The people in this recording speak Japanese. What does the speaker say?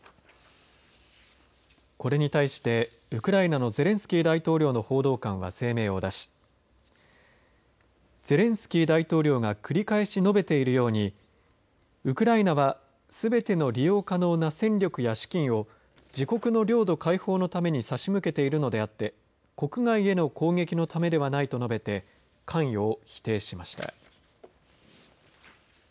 これに対してウクライナのゼレンスキー大統領の報道官は声明を出しゼレンスキー大統領が繰り返し述べているようにウクライナはすべての利用可能な戦力や資金を自国の領土解放のために差し向けているのであって国外への攻撃のためではないと述べて関与を否定しました。